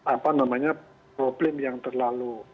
apa namanya problem yang terlalu